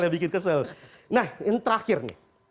nah ini terakhir nih